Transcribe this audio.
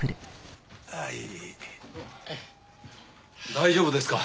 大丈夫ですか？